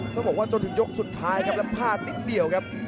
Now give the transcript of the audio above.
ต้องบอกว่าจนถึงยกสุดท้ายครับแล้วพลาดนิดเดียวครับ